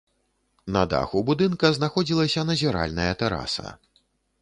На даху будынка знаходзілася назіральная тэраса.